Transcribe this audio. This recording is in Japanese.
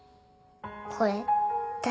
これ誰？